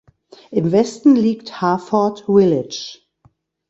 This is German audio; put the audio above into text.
Im Westen liegt Harford Village.